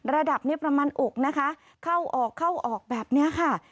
ระดับนี้ประมาณอกนะคะเข้าออกเข้าออกแบบนี้ค่ะ